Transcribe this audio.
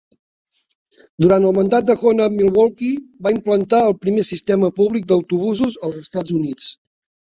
Durant el mandat de Hoan, Milwaukee va implementar el primer sistema públic d'autobusos als Estats Units.